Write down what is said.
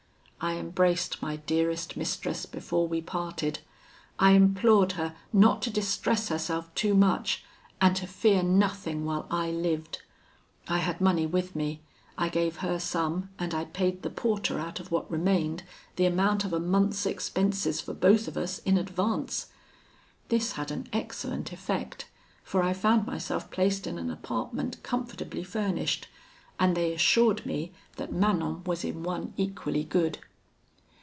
I embraced my dearest mistress before we parted; I implored her not to distress herself too much, and to fear nothing while I lived. I had money with me: I gave her some; and I paid the porter, out of what remained, the amount of a month's expenses for both of us in, advance. This had an excellent effect, for I found myself placed in an apartment comfortably furnished, and they assured me that Manon was in one equally good.